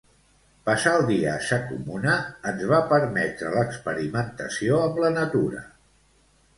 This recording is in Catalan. Passar el dia a Sa Comuna ens va permetre l'experimentació amb la natura.